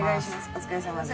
お疲れさまです。